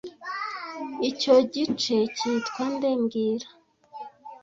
Icyo gice cyitwa nde mbwira